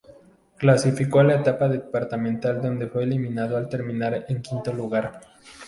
Clasificó a la Etapa Departamental donde fue eliminado al terminar en quinto lugar.